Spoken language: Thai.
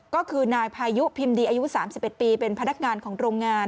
ก็คือนายพายุพิมพ์ดีอายุ๓๑ปีเป็นพนักงานของโรงงาน